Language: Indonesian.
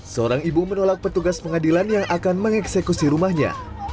seorang ibu menolak petugas pengadilan yang akan mengeksekusi rumahnya